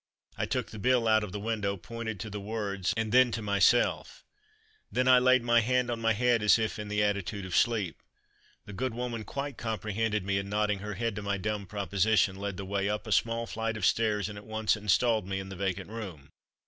I took the bill out of the window, pointed to the words, and the to myself; then I laid my hand on my head as if in the attitude of sleep. The good woman quite comprehended me, and nodding her head to my dumb proposition led the way up a small flight of stairs, and at once installed me in the vacant room.